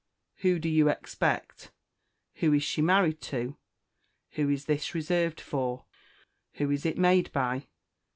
"Who do you expect?" "Who is she married to?" "Who is this reserved for?" "Who was it made by?"